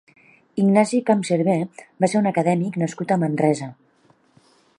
Ignasi Campcerver va ser un acadèmic nascut a Manresa.